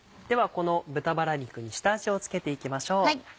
この豚バラ肉に下味を付けていきましょう。